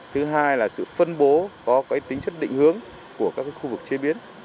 thứ hai là sự phân bố có tính chất định hướng của các khu vực chế biến